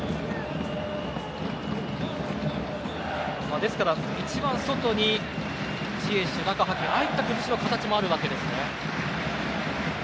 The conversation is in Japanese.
ですから一番外にジエシュ中、ハキミああいった崩しの形もあるわけですね。